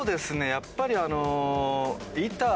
やっぱりあの。